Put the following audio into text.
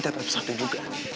tapi tetap satu juga